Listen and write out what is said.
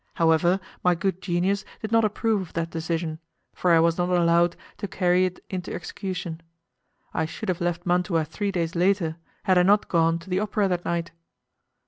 However, my good genius did not approve of that decision, for I was not allowed to carry it into execution. I should have left Mantua three days later, had I not gone to the opera that night.